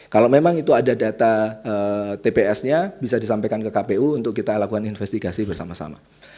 kalau memang itu ada data tps nya bisa disampaikan ke kpu untuk kita lakukan investigasi bersama sama